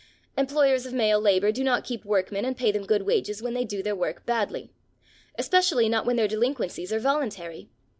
Employers of male labour do not keep workmen and pay them good wages when they do their work badly. Especially not when their delinquencies are voluntary.